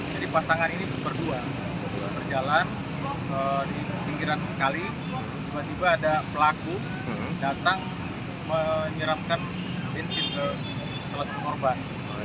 jadi pasangan ini berdua berjalan di pinggiran kali tiba tiba ada pelaku datang menyeramkan bensin ke selatuh korban